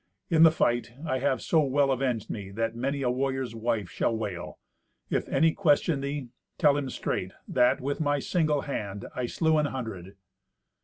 In the fight I have so well avenged me that many a warrior's wife shall wail. If any question thee, tell him straight that, with my single hand, I slew an hundred."